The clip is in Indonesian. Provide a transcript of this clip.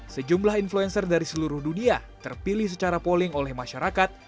sejumlah influencer dari seluruh dunia terpilih secara polling oleh masyarakat